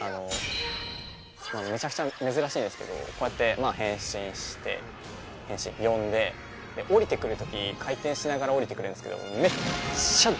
めちゃくちゃ珍しいんですけどこうやって変身して呼んで降りてくる時回転しながら降りてくるんですけどめっちゃ壊すんですよ。